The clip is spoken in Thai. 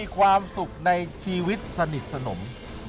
ความสุขในชีวิตสนิทสนม